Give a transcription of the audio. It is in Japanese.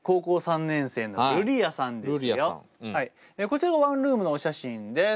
こちらワンルームのお写真です。